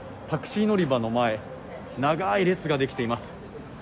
タクシー乗り場の前、長い列ができています。